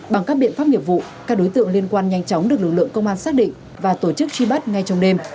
bằng các biện pháp nghiệp vụ các đối tượng liên quan nhanh chóng được lực lượng công an xác định và tổ chức truy bắt ngay trong đêm